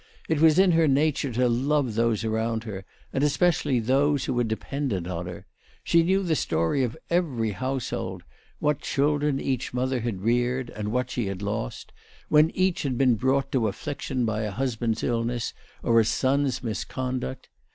It was in her nature to love those around her, and especially those who were dependent on her. She knew the story of every household, what chil dren each mother had reared and what she had lost, when each had been brought to affliction by a husband's illness or a son's misconduct.